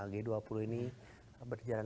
g dua puluh ini berjalan